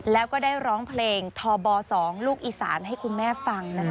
แล้วก็ได้ร้องเพลงทบ๒ลูกอีสานให้คุณแม่ฟังนะคะ